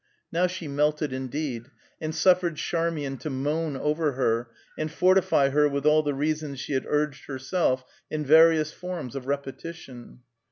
Now she melted, indeed, and suffered Charmian to moan over her, and fortify her with all the reasons she had urged herself in various forms of repetition.